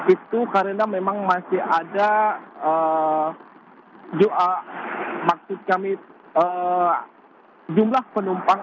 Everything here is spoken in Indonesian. itu karena memang masih ada maksud kami jumlah penumpang